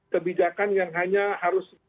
kebijakan yang hanya harus